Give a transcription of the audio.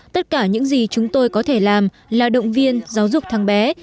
tất cả những gì chúng tôi có thể làm là động viên giáo dục tháng bé